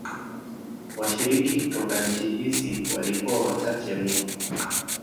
Washiriki kutoka nchi hizi walikuwa wachache mno.